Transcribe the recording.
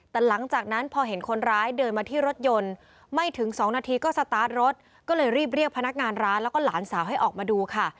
แต่หลังจากนั้นพอเห็นคนร้ายเดินมาที่รถยนต์ไม่ถึง๒นาทีก็สตาร์ทรถก็เลยรีบเรียกพนักงานร้านแล้วก็หลานสาวให้ออกมาดูค่ะ